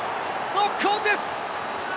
ノックオンです！